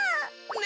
ね